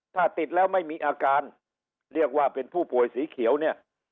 ถ้าติดแล้วไม่มีอาการเรียกว่าเป็นผู้ป่วยสีเขียวเนี่ย